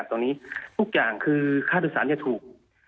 แต่ทุกอย่างค่าโดยผู้โดยสารจะถูก